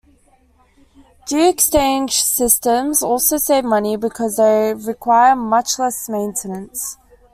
Geo-exchange systems also save money because they require much less maintenance.